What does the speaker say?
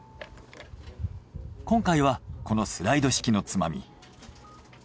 今回はこのスライド式のつまみ。